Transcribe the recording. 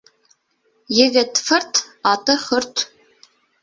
Егет фырт, аты хөрт.